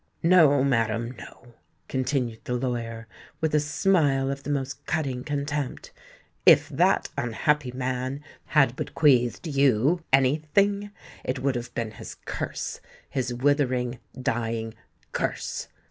"No, madam—no," continued the lawyer, with a smile of the most cutting contempt: "if that unhappy man had bequeathed you any thing, it would have been his curse—his withering, dying curse!"